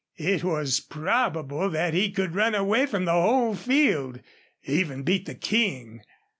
It was probable that he could run away from the whole field even beat the King.